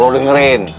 tuh lu dengerin